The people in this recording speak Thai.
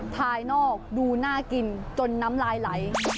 ภายนอกดูน่ากินจนน้ำลายไหล